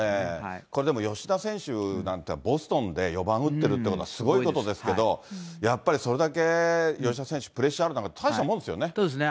これでも、吉田選手なんかボストンで４番打ってるっていうのはすごいことですけど、やっぱりそれだけ吉田選手、プレッシャーある中で、そうですね。